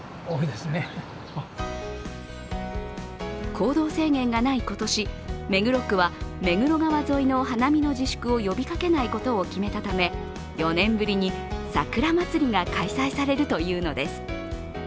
行動制限がない今年、目黒区は目黒川沿いの花見の自粛を呼びかけないことを決めたため、４年ぶりに桜まつりが開催されるというのです。